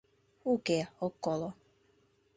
«Уке, ок коло».